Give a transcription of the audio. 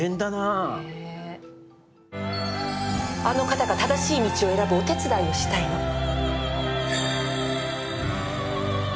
あの方が正しい道を選ぶお手伝いがしたいの。